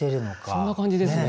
そんな感じですよね。